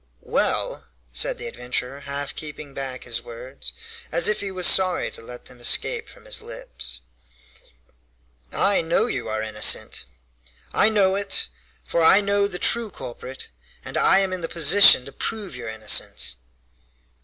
"Well," said the adventurer, half keeping back his words, as if he was sorry to let them escape from his lips, "I know you are innocent! I know it, for I know the true culprit, and I am in a position to prove your innocence."